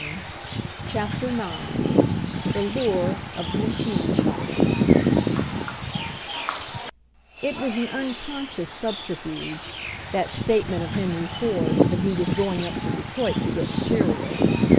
1 i CHAPTER IX THE LURE OF THE MACHINE SHOPS It was an unconscious subterfuge, that state ment of Henry Ford's that he was going up to Detroit to get material.